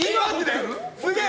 すげえ！